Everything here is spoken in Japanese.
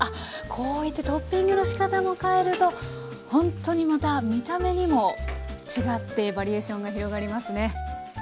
こういってトッピングのしかたも変えるとほんとにまた見た目にも違ってバリエーションが広がりますね。